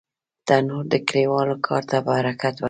تنور د کلیوالو کار ته برکت ورکوي